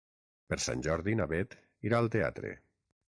Per Sant Jordi na Beth irà al teatre.